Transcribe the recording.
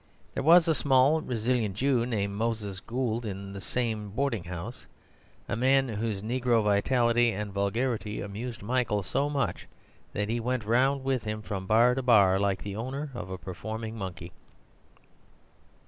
There was a small resilient Jew named Moses Gould in the same boarding house, a man whose negro vitality and vulgarity amused Michael so much that he went round with him from bar to bar, like the owner of a performing monkey.